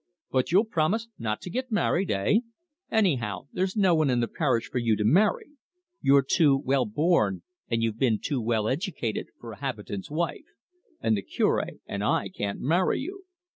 But you'll promise not to get married eh? Anyhow, there's no one in the parish for you to marry. You're too well born and you've been too well educated for a habitant's wife and the Cure or I can't marry you."